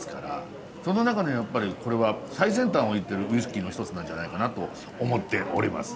その中のやっぱりこれは最先端をいってるウイスキーの一つなんじゃないかなと思っております